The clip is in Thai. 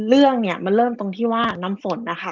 เรื่องเนี่ยมันเริ่มตรงที่ว่าน้ำฝนนะคะ